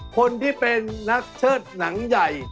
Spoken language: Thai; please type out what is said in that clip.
คนที่เป็นนักเชิดหนังใหญ่